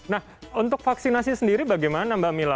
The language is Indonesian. nah untuk vaksinasi sendiri bagaimana mbak mila